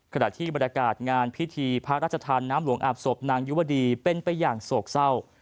ขณะที่บรรยากาศงานพิธีพระราชทานน้ำหลวงอาบศพนางยุวดีเป็นไปอย่างโศกเศร้า